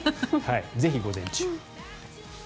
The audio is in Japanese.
ぜひ、午前中に。